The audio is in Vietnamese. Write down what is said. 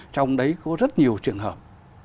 trong đấy có rất nhiều trường hợp